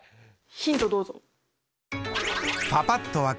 ヒントどうぞ。